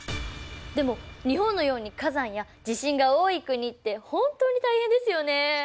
でも日本のように火山や地震が多い国って本当に大変ですよね。